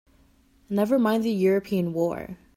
Never mind the European war!